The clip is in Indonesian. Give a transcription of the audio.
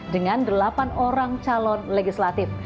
dengan delapan orang calon legislatif